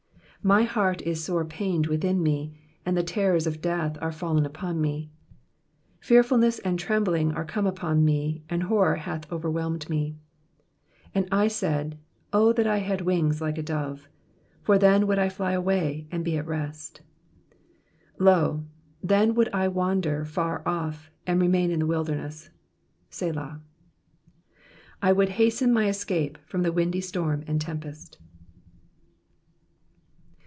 4 My heart is sore pained with me : and the terrors of death are fallen upon me. 5 Tearfulness and trembling are come upon me, and horror hath overwhelmed me. 6 And I said, Oh that I had wings like a dove ! /or then would I fly away, and be at rest. 7 Lo, then would I wander far off, and remain in the wilder ness. Selah. 8 I would hasten my escape from the windy storm and tempest.